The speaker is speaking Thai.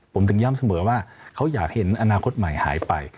ผมถึงย้ำเสมอว่าเขาอยากเห็นอนาคตใหม่หายไป